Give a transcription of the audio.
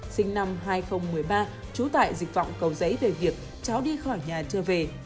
sinh năm hai nghìn một mươi ba trú tại dịch vọng cầu giấy về việc cháu đi khỏi nhà chưa về